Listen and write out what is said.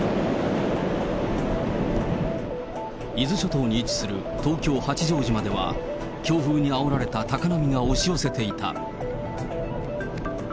伊豆諸島に位置する東京・八丈島では、強風にあおられた高波が押し寄せていた。